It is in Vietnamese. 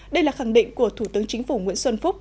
đây là khẳng định của thủ tướng chính phủ nguyễn xuân phúc